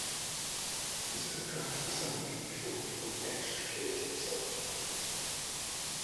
His aircraft sank before he could extricate himself.